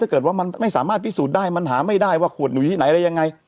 ถ้าเกิดว่ามันไม่สามารถพิสูจน์ได้มันหาไม่ได้ว่าขวดหนูอยู่ที่ไหนอะไรยังไง